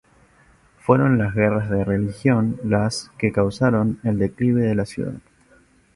Fueron las guerras de religión las que causaron el declive de la ciudad.